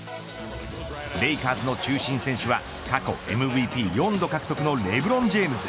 レイカーズの中心選手は過去ＭＶＰ４度獲得のレブロン・ジェームズ。